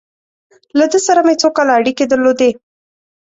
له ده سره مې څو کاله اړیکې درلودې.